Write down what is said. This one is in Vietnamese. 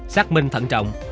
xác minh phận trọng